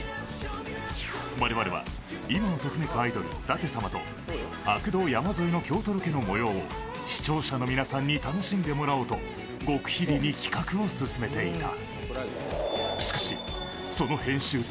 我々は今をときめくアイドル・舘様と悪童・山添の京都ロケのもようを視聴者の皆さんに楽しんでもらおうと極秘裏に企画を進めていた。